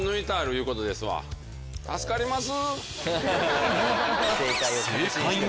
助かります。